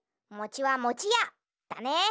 「もちはもちや」だね。